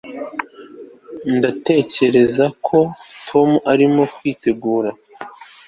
ndatekereza ko tom arimo kwitegura